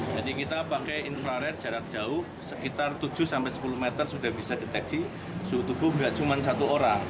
jadi kita pakai infrared jarak jauh sekitar tujuh sampai sepuluh meter sudah bisa deteksi suhu tubuh bukan cuma satu orang